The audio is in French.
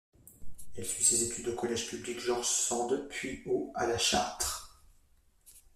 Elle suit ses études au collège public George Sand, puis au à La Châtre.